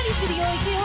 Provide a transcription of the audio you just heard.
いくよ。